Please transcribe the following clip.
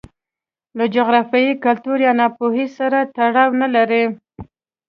له جغرافیې، کلتور یا ناپوهۍ سره تړاو نه لري.